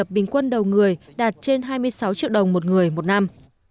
cân đầu người đạt trên hai mươi sáu triệu đồng một người một năm